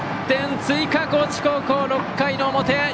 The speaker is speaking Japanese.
１点追加、高知高校６回の表！